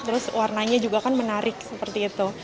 terus warnanya juga kan menarik seperti itu